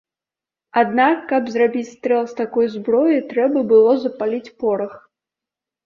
Аднак каб зрабіць стрэл з такой зброі, трэба было запаліць порах.